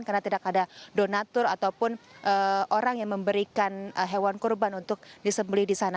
karena tidak ada donatur ataupun orang yang memberikan hewan kurban untuk disembeli di sana